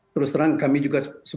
terus terang kami juga